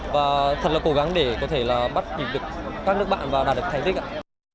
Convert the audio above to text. và thật là cố gắng để có thể là bắt nhịp được các nước bạn và đạt được thành tích ạ